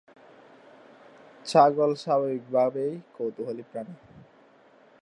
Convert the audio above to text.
ছাগল স্বাভাবিকভাবেই কৌতূহলী প্রাণী।